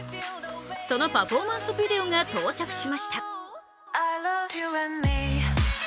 そのパフォーマンスビデオが到着しました。